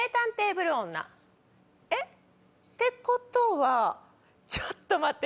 えっ！ってことはちょっと待って！